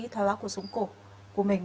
thoải hóa cuộc sống cổ của mình